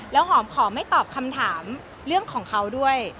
แล้วหอมขอไม่ตอบคำถามเรื่องของเขาด้วย